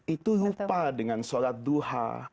itu lupa dengan sholat duha